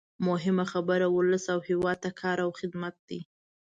مهمه خبره ولس او هېواد ته کار او خدمت دی.